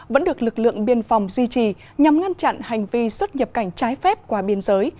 vẫn được lực lượng biên phòng duy trì nhằm ngăn chặn hành vi xuất nhập cảnh trái phép qua biên giới